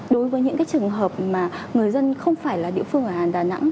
đối với những trường hợp mà người dân không phải là địa phương ở đà nẵng